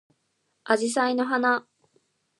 あじさいの花